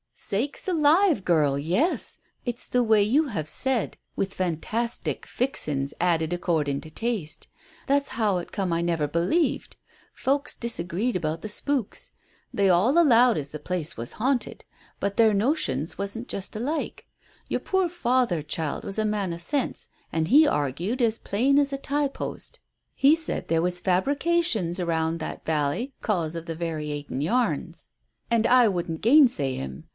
"Sakes alive, girl, yes. It's the way you have said, with fantastic fixin's added accordin' to taste. That's how it come I never believed. Folks disagreed about the spooks. They all allowed as the place was haunted, but their notions wasn't just alike. Your poor father, child, was a man o' sense, an' he argued as plain as a tie post. He said there was fabrications around that valley 'cause of the variating yarns, and I wouldn't gainsay him.